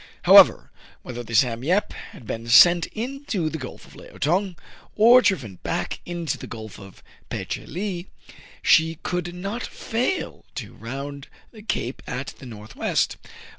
However, whether the "Sam Yep" had been sent into the Gulf of Leao Tong, or driven back into the Gulf of Pe che lee, she could not fail to round the cape at the north west.